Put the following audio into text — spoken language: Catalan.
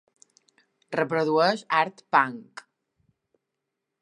Reprodueix art punk.